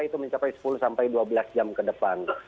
itu mencapai sepuluh sampai dua belas jam ke depan